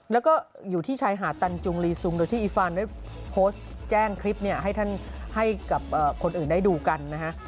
แล้วก็อยู่ที่ชายหาดตันจุงลีซุงโดยที่อีฟานได้โพสต์แจ้งคลิปเนี่ยให้ท่านให้กับคนอื่นได้ดูกันนะฮะ